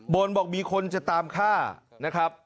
บอกมีคนจะตามฆ่านะครับ